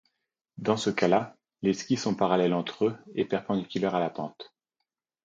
Dans ce cas-là, les skis sont parallèles entre eux et perpendiculaires à la pente.